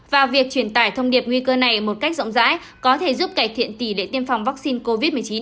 và việc truyền tải thông điệp nguy cơ này một cách rộng rãi có thể giúp cải thiện tỷ lệ tiêm phòng vaccine covid một mươi chín